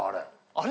あれ。